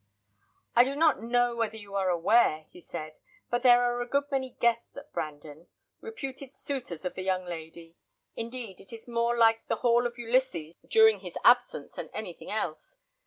"I do not know whether you are aware," he said, "that there are a good many guests at Brandon: reputed suitors of the young lady. Indeed, it is more like the hall of Ulysses during his absence than anything else.